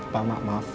pak mak maaf